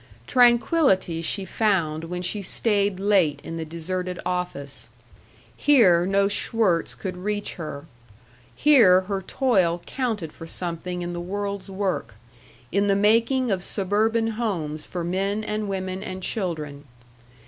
Tranquillity she found when she stayed late in the deserted office. Here no Schwirtz could reach her. Here her toil counted for something in the world's work in the making of suburban homes for men and women and children.